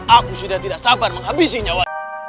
aku sudah tidak sabar menghabisi nyawa